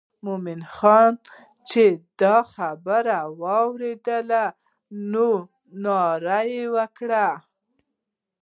مومن خان چې دا خبره واورېده نو یې ناره وکړه.